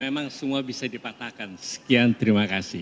memang semua bisa dipatahkan sekian terima kasih